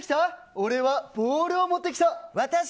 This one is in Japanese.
俺はボールを持ってきた。